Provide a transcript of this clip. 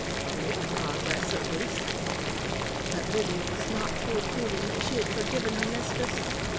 _ A little progress, at least! But Lydia was not through proving that she had forgiven her mistress.